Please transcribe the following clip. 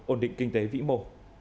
ổn định kinh tế vĩ mộ